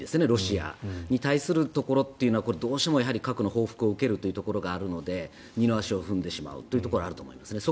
ロシアに対するところというのはどうしても核の報復を受けるということがあるので二の足を踏んでしまうというところはあると思います。